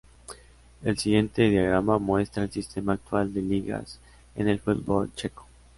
El siguiente diagrama muestra el sistema actual de ligas en el fútbol checo.